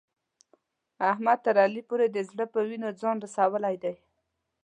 احمد تر ریاست پورې د زړه په وینو ځان رسولی دی.